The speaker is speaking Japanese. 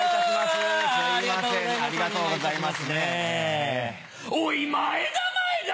ありがとうございます。